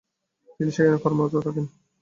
তিনি সেখানে কর্মরত থাকেন।